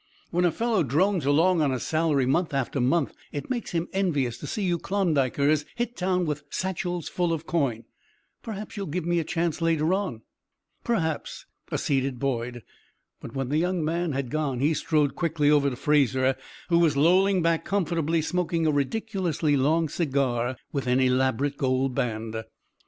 When a fellow drones along on a salary month after month it makes him envious to see you Klondikers hit town with satchels full of coin. Perhaps you will give me a chance later on?" "Perhaps," acceded Boyd; but when the young man had gone he strode quickly over to Fraser, who was lolling back comfortably, smoking a ridiculously long cigar with an elaborate gold band.